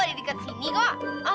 ada dekat sini kok